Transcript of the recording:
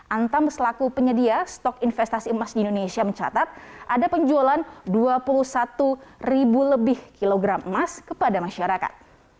antam selaku penyedia stok investasi emas di indonesia mencatat ada penjualan dua puluh satu ribu lebih kilogram emas kepada masyarakat